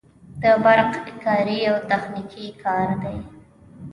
د برق کاري یو تخنیکي کار دی